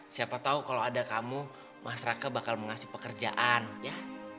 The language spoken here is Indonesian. siapa tahu kalau ada kamu mas raka bakal mengasih pekerjaan ya